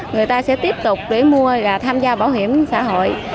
người ta sẽ tiếp tục để mua và tham gia bảo hiểm xã hội